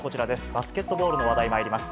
バスケットボールの話題まいります。